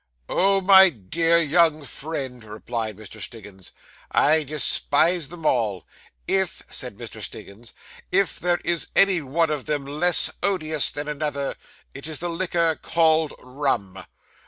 'Oh, my dear young friend,' replied Mr. Stiggins, 'I despise them all. If,' said Mr. Stiggins 'if there is any one of them less odious than another, it is the liquor called rum.